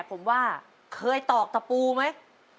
ผมว่าเคยตอกตะปูไหม